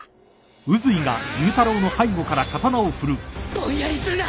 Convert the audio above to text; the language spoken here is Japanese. ぼんやりするな！